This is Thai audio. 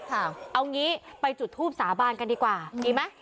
เอางี้ไปจุดทูบสาบานกันดีกว่าดีไหม